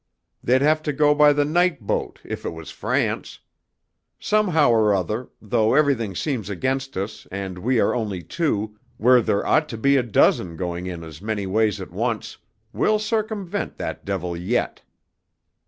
They'd have to go by the night boat, if it was France. Somehow or other though everything seems against us, and we are only two, where there ought to be a dozen going in as many ways at once we'll circumvent that devil yet."